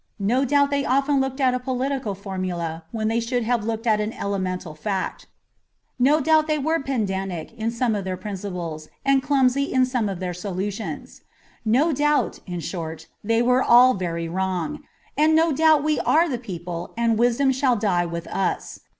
No doubt they often looked at a political formula when they should have looked at an elemental fact. No doubt they were pedantic in some of their principles and clumsy in some of their solutions. No doubt, in short, they were all very wrong, and no doubt we are the people and wisdom shall die with us.